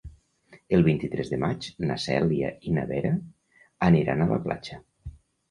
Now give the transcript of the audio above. El vint-i-tres de maig na Cèlia i na Vera aniran a la platja.